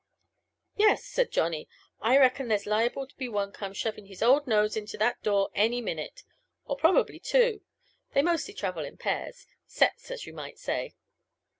"Yes," said Johnny. "I reckin there's liable to be one come shovin' his old nose into that door any minute. Or probably two they mostly travels in pairs sets, as you might say."